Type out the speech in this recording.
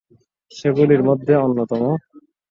সেগুলির মধ্যে অন্যতম হল-